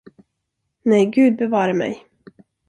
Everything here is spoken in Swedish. Nej, Gud bevare mig!